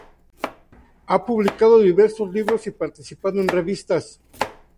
Ha publicado diversos libros y participado en revistas.